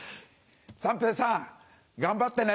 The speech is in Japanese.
三平さん頑張ってね。